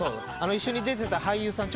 一緒に出てた俳優さん